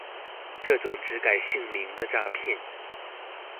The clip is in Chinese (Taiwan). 這種只改姓名的詐騙